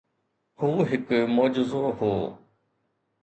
هو هڪ معجزو هو.